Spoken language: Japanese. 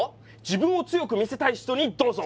自分を強く見せたい人にどうぞ！